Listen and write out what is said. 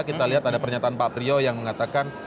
kita lihat ada pernyataan pak priyo yang mengatakan